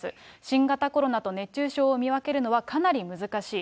新型コロナと熱中症を見分けるのは、かなり難しい。